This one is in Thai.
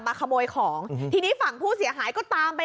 ขโมยของทีนี้ฝั่งผู้เสียหายก็ตามไป